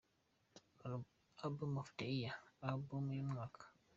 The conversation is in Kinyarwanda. Album of the year: Album y’umwaka.